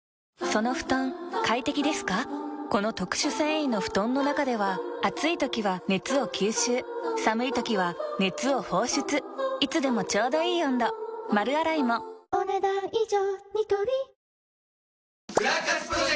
この特殊繊維の布団の中では暑い時は熱を吸収寒い時は熱を放出いつでもちょうどいい温度丸洗いもお、ねだん以上。